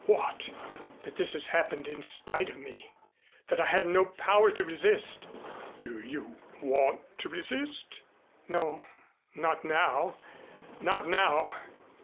"What?" "That it has happened in spite of me. That I had no power to resist." "Do you want to resist?" "No, not now not now."